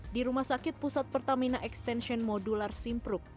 di rumah sakit pusat pertamina extension modular simpruk